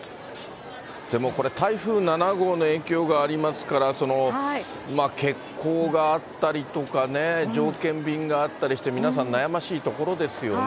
でもこれ、台風７号の影響がありますから、欠航があったりとかね、条件便があったりしてね、皆さん悩ましいところですよね。